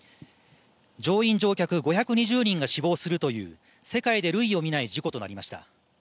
乗客・乗員５２０人が死亡するという世界で類を見ない事故となりました。